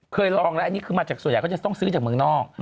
ลองแล้วอันนี้คือมาจากส่วนใหญ่เขาจะต้องซื้อจากเมืองนอก